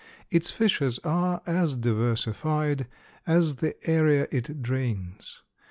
Its fishes are as diversified as the area it drains.